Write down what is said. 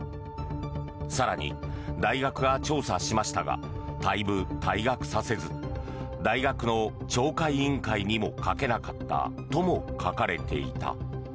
更に、大学が調査しましたが退部・退学させず大学の懲戒委員会にもかけなかったとも書かれていた。